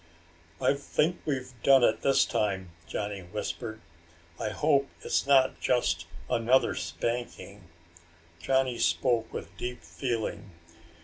"I think we've done it this time," Johnny whispered. "I hope it's not just another spanking." Johnny spoke with deep feeling.